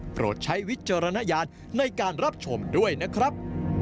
โปรดใช้วิจารณญาณในการรับชมด้วยนะครับ